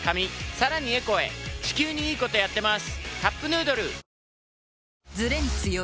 さらにエコへ地球にいいことやってます。